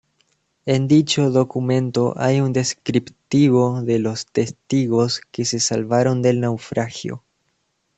En dicho documento hay un descriptivo de los testigos que se salvaron del naufragio.